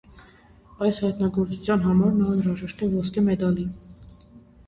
Այս հայտնագործության համար նա արժանացել է ոսկե մեդալի։